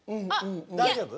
大丈夫？